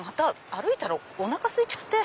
歩いたらおなかすいちゃって。